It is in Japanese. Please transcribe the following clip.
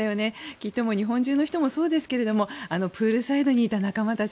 きっと日本中の人もそうですがプールサイドにいた仲間たち